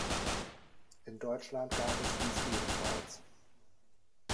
In Deutschland gab es dies ebenfalls.